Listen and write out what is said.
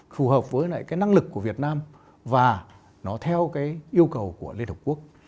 phù hợp với lại cái năng lực của việt nam và nó theo cái yêu cầu của liên hợp quốc